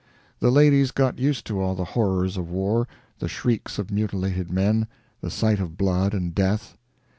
The ladies got used to all the horrors of war the shrieks of mutilated men, the sight of blood and death.